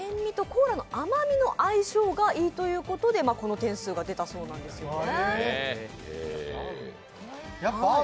コーラの甘みの相性がいいということでこの点数が出たそうなんですね。